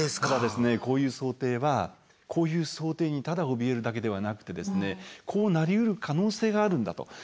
ただこういう想定はこういう想定にただおびえるだけではなくてこうなりうる可能性があるんだと。